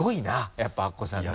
やっぱアッコさんな。